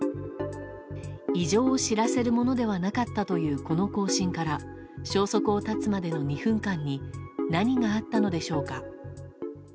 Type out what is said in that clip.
異常を知らせるものではなかったという、この更新から消息を絶つまでの２分間で何があったのでしょうか。